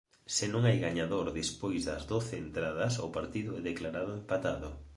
Senón hai gañador despois das doce entradas o partido é declarado empatado.